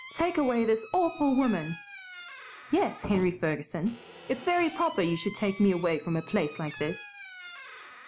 Take away this awful woman!" "Yes, Henry Ferguson; it's very proper you should take me away from a place like this."